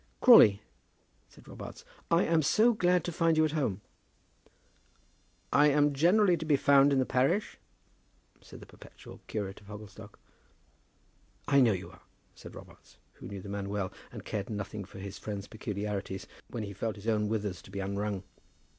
"Crawley," said Robarts, "I am so glad to find you at home." "I am generally to be found in the parish," said the perpetual curate of Hogglestock. "I know you are," said Robarts, who knew the man well, and cared nothing for his friend's peculiarities when he felt his own withers to be unwrung.